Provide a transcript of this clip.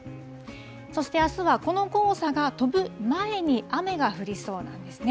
そしてあすは、この黄砂が飛ぶ前に雨が降りそうなんですね。